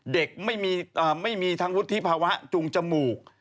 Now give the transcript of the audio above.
เด็กไม่มีทางพุทธธิภาวะจูงจมูก